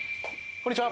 こんにちは